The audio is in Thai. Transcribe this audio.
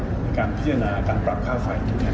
ในการพิจารณาการปรับภาคไฟ